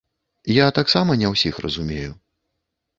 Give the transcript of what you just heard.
Я таксама не ўсіх разумею.